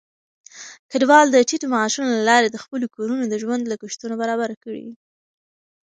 کډوال د ټيټو معاشونو له لارې د خپلو کورونو د ژوند لګښتونه برابر کړي.